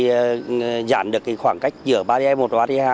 và giảm được cái khoảng cách giữa bariê một và bariê hai